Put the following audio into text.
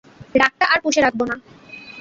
রাগটা আর পুষে রাখবো না।